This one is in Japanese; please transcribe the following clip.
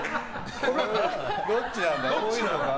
どっちなんだ？